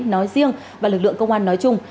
nói riêng và lực lượng công an nói chung